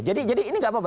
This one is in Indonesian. jadi ini tidak apa apa